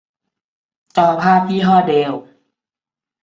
จอภาพยี่ห้อเดลล์